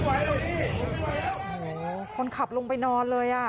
โอ้โหคนขับลงไปนอนเลยอ่ะ